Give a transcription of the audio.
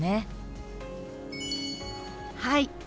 はい。